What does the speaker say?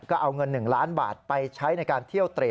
ก็เอาเงิน๑ล้านบาทไปใช้ในการเที่ยวเตร